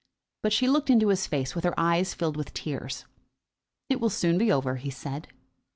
But she looked into his face with her eyes filled with tears. "It will soon be over," he said.